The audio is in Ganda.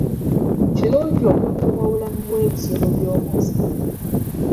Kirungi okukuuma obulamu bw'ebisolo by'omu nsiko.